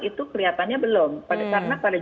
itu kelihatannya belum karena pada